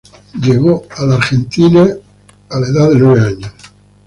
Llegó a la Argentina a la edad de nueve años.